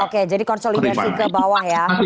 oke jadi konsolidasi ke bawah ya